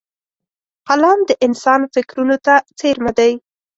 قلم د انسان فکرونو ته څېرمه دی